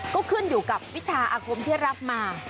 ก็ขึ้นอยู่กับวิชาอาคมที่รับมา